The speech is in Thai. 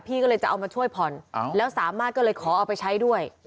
พี่ก็เลยจะเอามาช่วยผ่อนแล้วสามารถก็เลยขอเอาไปใช้ด้วย